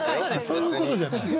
そういうことじゃないのね。